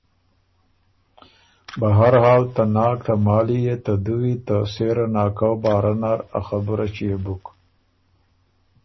بهر حال ته ناک ته مالی يې ته دُوی ته سېره ناکؤ باره نر ا خبُره ݭيې بُک۔